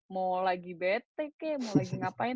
mau lagi betek kek mau lagi ngapain